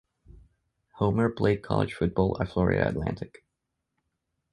Homer played college football at Florida Atlantic.